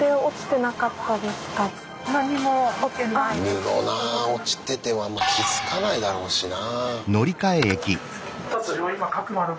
布なあ落ちてて気付かないだろうしな。